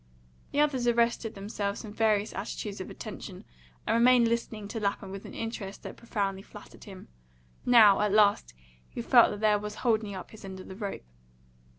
The others arrested themselves in various attitudes of attention, and remained listening to Lapham with an interest that profoundly flattered him. Now, at last, he felt that he was holding up his end of the rope.